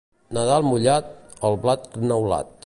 Nadal mullat, el blat neulat.